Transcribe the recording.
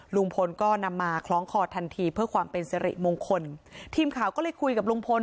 ลุงพลก็นำมาคล้องคอทันทีเพื่อความเป็นสิริมงคลทีมข่าวก็เลยคุยกับลุงพล